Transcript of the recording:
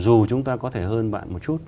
dù chúng ta có thể hơn bạn một chút